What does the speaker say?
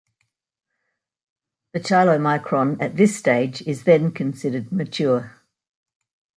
The chylomicron at this stage is then considered mature.